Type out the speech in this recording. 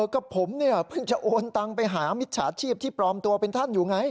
ก็ผมเนี่ยเพิ่งจะโอนตังไปหามิจฉาชีพที่ปลอมตัวเป็นท่านอยู่ไง